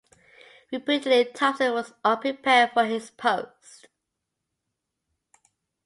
Reputedly Thompson was unprepared for his post.